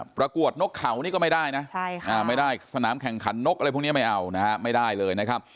ประกวดนกเขานี่ก็ไม่ได้นะไม่ได้สนามแข่งขันนกอะไรพวกนี้ไม่เอานะฮะไม่ได้เลยนะครับ